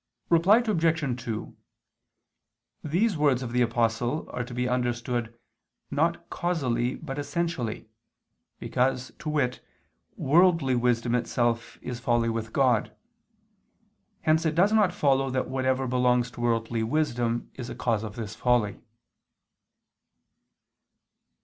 Reply Obj. 2: These words of the Apostle are to be understood, not causally but essentially, because, to wit, worldly wisdom itself is folly with God. Hence it does not follow that whatever belongs to worldly wisdom, is a cause of this folly.